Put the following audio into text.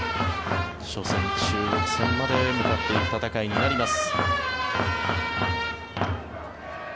初戦、中国戦まで向かっていく戦いになります。